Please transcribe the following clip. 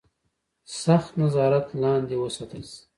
سخت نظارت لاندې وساتل شي.